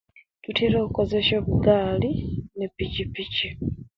Ntera okzesiya obugali me pikipiki